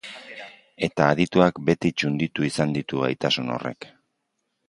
Eta adituak beti txunditu izan ditu gaitasun horrek.